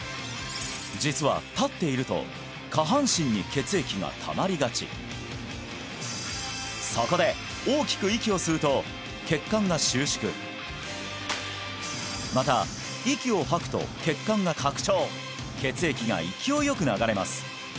実は立っていると下半身に血液がたまりがちそこで大きく息を吸うと血管が収縮また息を吐くと血管が拡張血液が勢いよく流れます